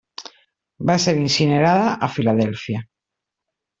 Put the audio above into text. Va ser incinerada a Filadèlfia.